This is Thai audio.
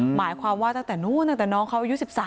หมายความว่าตั้งแต่นู้นตั้งแต่น้องเขาอายุ๑๓